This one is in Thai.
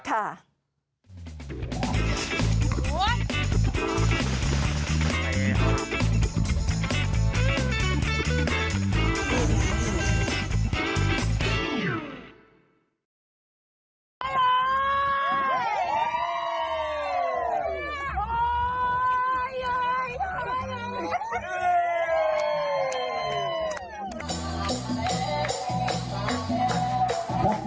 บ้านเราแค่แฟน